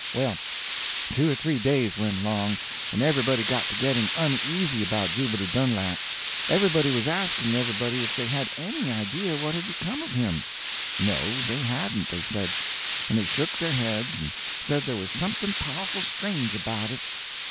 Well, two or three days went along, and everybody got to getting uneasy about Jubiter Dunlap. Everybody was asking everybody if they had any idea what had become of him. No, they hadn't, they said: and they shook their heads and said there was something powerful strange about it.